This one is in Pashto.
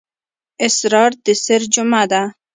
اسرار د سِر جمعه ده.